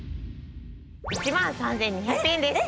１万３２００円です。